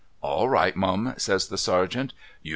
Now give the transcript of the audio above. —' 'All right Mum 'says the sergeant, ' YoiiW.